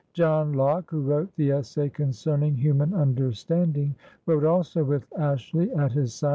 *' John Locke, who wrote the Essay Concerning Human Understanding^ wrote also, with Ashley at his side.